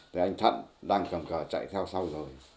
thì anh thận đang cầm cờ chạy theo sau rồi